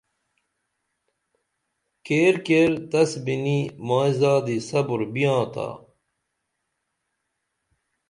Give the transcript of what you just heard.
کیر کیر تس بِنی مائی زادی صبر بیاں تا